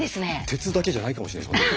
鉄だけじゃないかもしれないですよ。